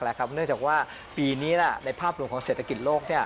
เนื่องจากว่าปีนี้ในภาพรวมของเศรษฐกิจโลก